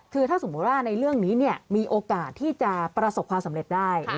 คือถ้าสมมุติว่าในเรื่องนี้มีโอกาสที่จะประสบความสำเร็จได้